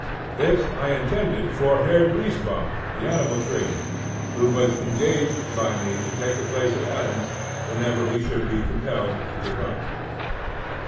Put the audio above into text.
This I intended for Herr Driesbach, the animal tamer, who was engaged by me to take the place of Adams whenever he should be compelled to give up.